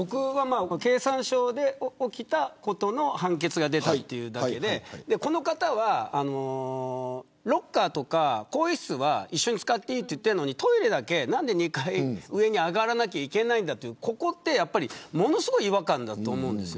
経産省で起きたことの判決が出たというだけでこの方はロッカーとか更衣室は一緒に使っていいと言ってるのに何でトイレだけ２階上に上がらなきゃいけないんだとここはものすごい違和感だと思うんです。